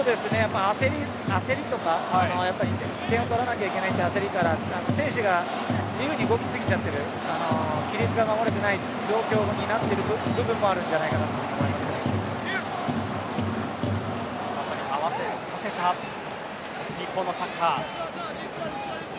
焦りとか点を取らなきゃいけないという焦りから選手が自由に動きすぎちゃっている規律を守れていないようになっている部分もあるんじゃ慌てさせた日本のサッカー。